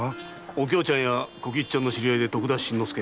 お京ちゃんたちの知り合いで徳田新之助。